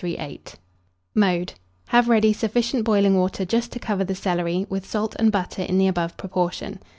Mode. Have ready sufficient boiling water just to cover the celery, with salt and butter in the above proportion.